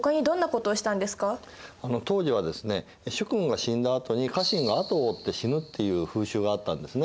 主君が死んだあとに家臣があとを追って死ぬっていう風習があったんですね。